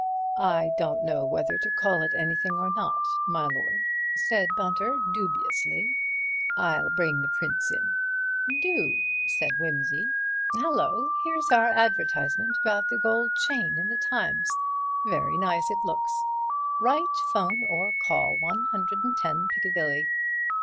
"I don't know whether to call it anything or not, my lord," said Bunter, dubiously. "I'll bring the prints in." "Do," said Wimsey. "Hallo! here's our advertisement about the gold chain in the Times—very nice it looks: 'Write, 'phone or call 110, Piccadilly.'